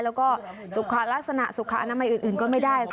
แล้วก็สุขลักษณะสุขอนามัยอื่นก็ไม่ได้